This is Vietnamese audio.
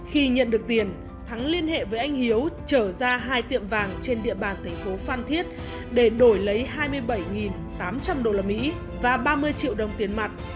khi nhận được tiền thắng liên hệ với anh hiếu chở ra hai tiệm vàng trên địa bàn thành phố phan thiết để đổi lấy hai mươi bảy tám trăm linh usd và ba mươi triệu đồng tiền mặt